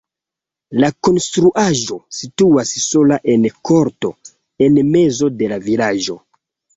La konstruaĵo situas sola en korto en mezo de la vilaĝo.